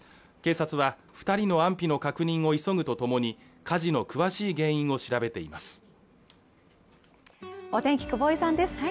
警察は二人の安否の確認を急ぐとともに火事の詳しい原因を調べています